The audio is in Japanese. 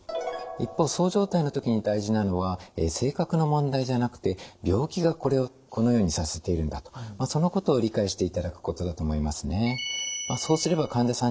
一方そう状態の時に大事なのは性格の問題じゃなくて病気がこのようにさせているんだとそのことを理解していただくことだと思いますね。